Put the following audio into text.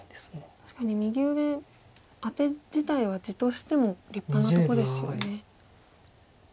確かに右上アテ自体は地としても立派なとこですよね。